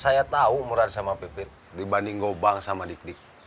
saya tahu murad sama pipit dibanding gopang sama dikdik